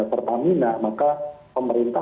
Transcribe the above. pertamina maka pemerintah